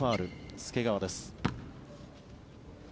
介川です。